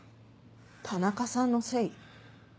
田中さんのせい？